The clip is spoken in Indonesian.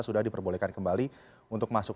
sudah diperbolehkan kembali untuk masuk